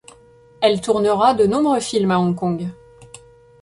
Elle tournera de nombreux films à Hong Kong.